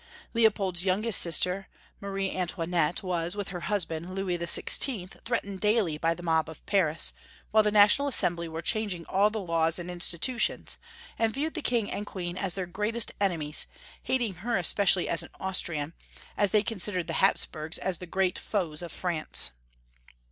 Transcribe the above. Leopold's youngest sister, Marie 423 424 Young Folks' BiBtory of Q ermany. Antoinette, was, with her husband, Louis XVI., threatened daily by the mob of Paris, while the National Assembly were changing all the laws and institutions, and viewed the King and Queen as their greatest enemies, hating her especially as an Austrian, as they considered the Hapsburgs as the great foes of France.